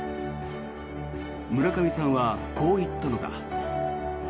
村上さんはこう言ったのだ。